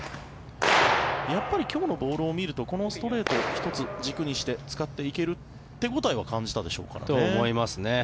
やっぱり今日のボールを見るとこのストレートを１つ軸にして使っていける手応えは感じたでしょうかね。と思いますね。